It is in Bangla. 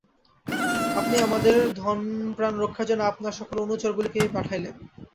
আপনি আমাদের ধনপ্রাণ রক্ষার জন্য আপনার সকল অনুচরগুলিকেই পাঠাইলেন।